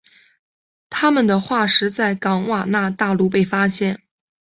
它们的化石在冈瓦纳大陆被发现。